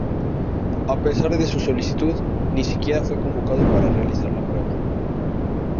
A pesar de su solicitud, ni siquiera fue convocado para realizar la prueba.